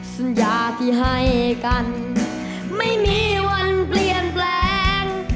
สัญญาที่ให้กันไม่มีวันเปลี่ยนแปลง